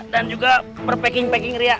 dan juga per packing packing ria